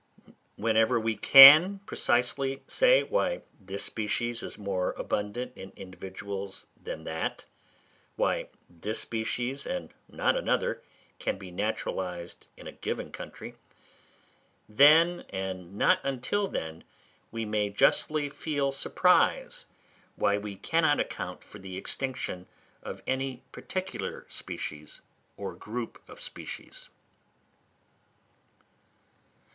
Whenever we can precisely say why this species is more abundant in individuals than that; why this species and not another can be naturalised in a given country; then, and not until then, we may justly feel surprise why we cannot account for the extinction of any particular species or group of species.